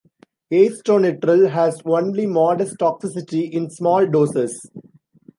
Acetonitrile has only modest toxicity in small doses.